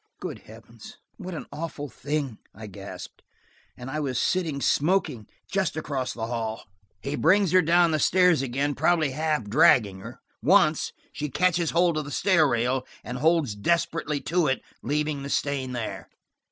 "Good heavens, what an awful thing!" I gasped. "And I was sitting smoking just across the hall." "He brings her down the stairs again, probably half dragging her. Once, she catches hold of the stair rail, and holds desperately to it, leaving the stain here."